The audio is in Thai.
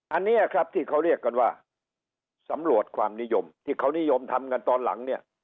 อันนี้ครับที่เขาเรียกกันว่าสำรวจความนิยมที่เขานิยมทำกันตอนหลังเนี่ย